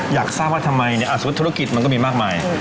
อยากทราบว่าทำไมสมมุติธุรกิจมันก็มีมากมาย